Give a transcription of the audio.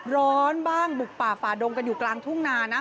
ร้อนบ้างบุกป่าฝ่าดงกันอยู่กลางทุ่งนานะ